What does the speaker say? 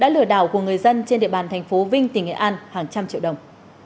lừa đảo của người dân trên địa bàn thành phố vinh tỉnh nghệ an hàng trăm triệu đồng